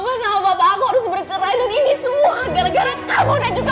mama sama papa aku harus bercerai ini se continuation mu jaga